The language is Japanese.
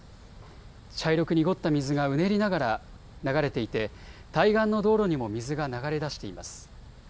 茶色く濁った水がうねりながら流れていて対岸の道路にも水が流れ出しています。